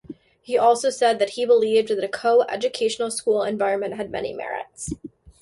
He also said that he believed that a co-educational school environment had many merits.